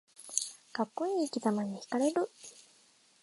かっこいい生きざまにひかれる